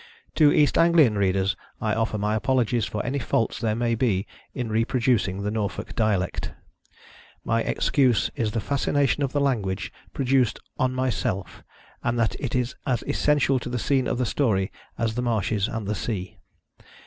To East Anglian readers I offer my apologies for any faults there may be in reproducing the Norfolk dialect. My excuse is the fascination the language produced on myself, and that it is as essential to the scene of the story as the marshes and the sea.